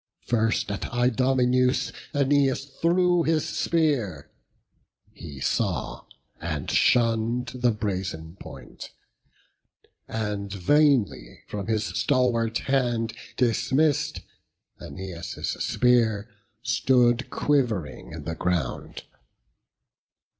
First at Idomeneus Æneas threw His spear; he saw, and shunn'd the brazen point; And vainly from his stalwart hand dismiss'd, Æneas' spear stood quiv'ring in the ground.